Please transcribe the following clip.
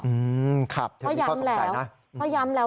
อืมครับเธอมีข้อสงสัยนะเพราะย้ำแล้ว